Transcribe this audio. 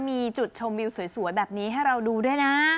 มีจุดชมวิวสวยแบบนี้ให้เราดูด้วยนะ